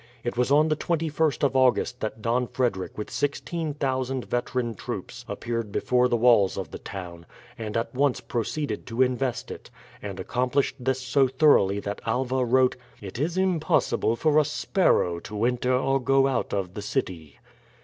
It was on the 21st of August that Don Frederick with 16,000 veteran troops appeared before the walls of the town, and at once proceeded to invest it, and accomplished this so thoroughly that Alva wrote, "It is impossible for a sparrow to enter or go out of the city."